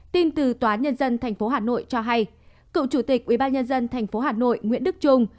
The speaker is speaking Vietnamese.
tin từ tòa nhân dân tp hà nội cho hay cựu chủ tịch ubnd tp hà nội nguyễn đức trung